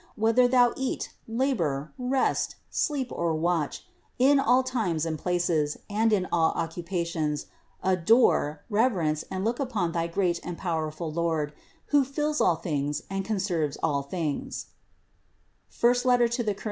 Whether thou eat, labor, rest, sleep, or watch, in all times and places, and in all occupations, adore, reverence and look upon thy great and powerful Lord, who fills all things and conserves all things (I Cor.